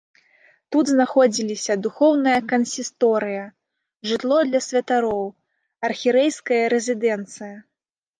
Тут знаходзіліся духоўная кансісторыя, жытло для святароў, архірэйская рэзідэнцыя.